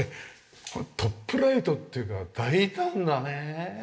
このトップライトっていうか大胆なね。